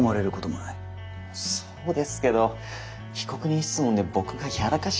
そうですけど被告人質問で僕がやらかしちゃったら。